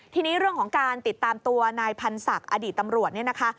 ทีนี้เรื่องของการติดตามตัวนายพันธ์ศักดิ์อดีตตำรวจเนี่ยนะคะ